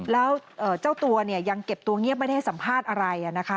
แล้วเจ้าตัวเนี่ยยังเก็บตัวเงียบไม่ได้ให้สัมภาษณ์อะไรนะคะ